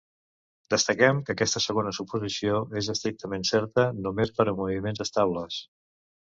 Destaquem que aquesta segona suposició és estrictament certa només per a moviments estables.